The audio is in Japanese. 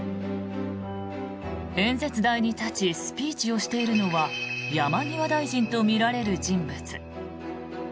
演説台に立ちスピーチをしているのは山際大臣とみられる人物。